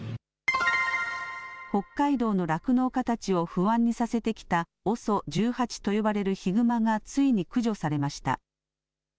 北海道の酪農家たちを不安にさせてきたＯＳＯ１８と呼ばれるヒグマがついに駆除されました。